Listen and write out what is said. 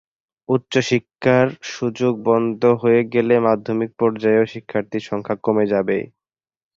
উচ্চশিক্ষার সুযোগ বন্ধ হয়ে গেলে মাধ্যমিক পর্যায়েও শিক্ষার্থীর সংখ্যা কমে যাবে।